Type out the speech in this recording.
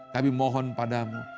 kami mohon padamu